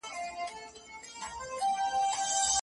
هغه هېڅکله په ژوند کي خپلي موخي او پلانونه نه یاداښت کوي.